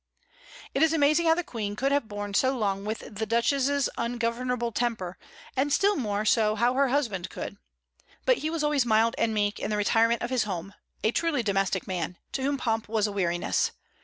It is amazing how the Queen could have borne so long with the Duchess's ungovernable temper, and still more so how her husband could. But he was always mild and meek in the retirement of his home, a truly domestic man, to whom pomp was a weariness.